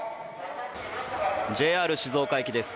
ＪＲ静岡駅です。